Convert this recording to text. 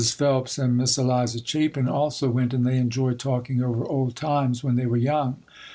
Phelps and Miss Eliza Chapin also went and they enjoyed talking over old times when they were young.